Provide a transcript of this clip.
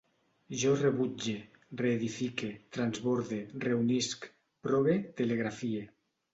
Jo rebutge, reedifique, transborde, reunisc, prove, telegrafie